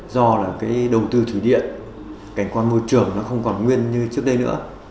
do là cái đầu tư thủy điện cảnh quan môi trường nó không còn nguyên như trước đây nữa